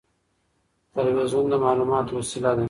ټلويزيون د معلوماتو وسيله ده.